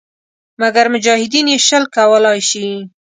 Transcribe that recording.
مګر مجاهدین یې شل کولای شي.